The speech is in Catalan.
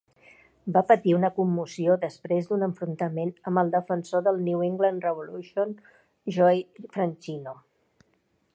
Va patir una commoció després d'un enfrontament amb el defensor del New England Revolution, Joey Franchino.